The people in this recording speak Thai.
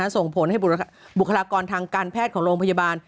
ส่งผลให้บุคลากรทางการแพทย์ของโรงพยาบาล